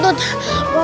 aduh aduh aduh